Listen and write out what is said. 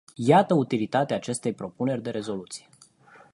Iată utilitatea acestei propuneri de rezoluție.